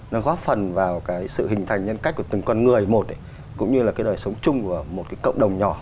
nó góp phần vào cái sự hình thành nhân cách của từng con người một cũng như là cái đời sống chung của một cái cộng đồng nhỏ